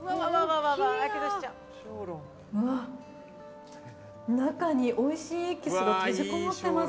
うわ、中においしいエキスが閉じ込められています。